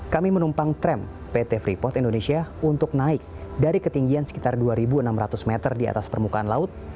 kami menumpang tram pt freeport indonesia untuk naik dari ketinggian sekitar dua enam ratus meter di atas permukaan laut